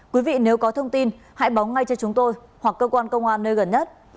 quý vị nếu có thông tin hãy báo ngay cho chúng tôi hoặc cơ quan công an nơi gần nhất